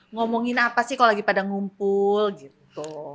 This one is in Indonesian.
ngomongin apa sih kalau lagi pada ngumpul gitu